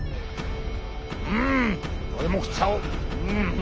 うん俺も食っちゃおう。